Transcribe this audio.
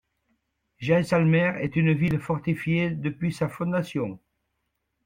Jaisalmer est une ville fortifiée depuis sa fondation.